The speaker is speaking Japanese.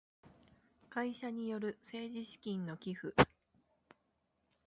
会社による政治資金の寄付